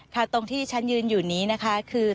ตรงที่ฉันยืนอยู่นี้นะคะคือ